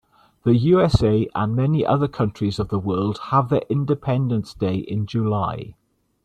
The USA and many other countries of the world have their independence day in July.